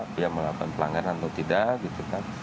dia melakukan pelanggaran atau tidak gitu kan